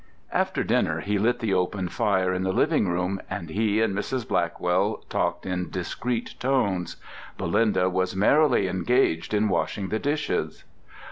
After dinner he lit the open fire in the living room, and he and Mrs. Blackwell talked in discreet tones. Belinda was merrily engaged in washing the dishes.